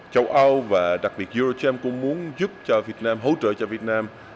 châu âu và đặc biệt uae cũng muốn giúp cho việt nam hỗ trợ cho việt nam